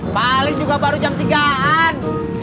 paling juga baru jam tiga an